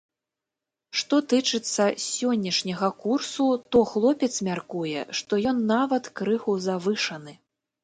Што тычыцца сённяшняга курсу, то хлопец мяркуе, што ён нават крыху завышаны.